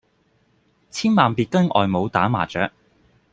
千萬別跟外母打麻將